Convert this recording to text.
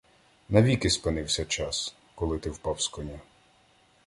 Навіки спинився час, коли ти впав з коня.